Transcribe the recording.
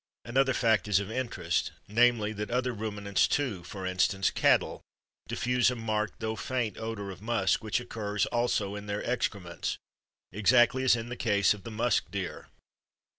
Another fact is of interest, namely, that other ruminants, too, for instance, cattle, diffuse a marked though faint odor of musk which occurs also in their excrements, exactly as in the case of the musk deer.